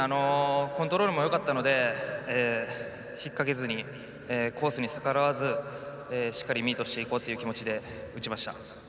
コントロールもよかったので引っかけずにコースに逆らわずしっかりミートしていこうという気持ちで打ちました。